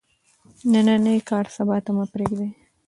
نننی کار سبا ته مه پریږدئ.